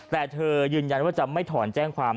แต่เธอยืนยันว่าจะไม่ถอนแจ้งความ